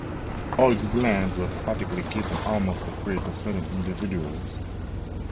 All these lands were practically given almost for free to certain individuals.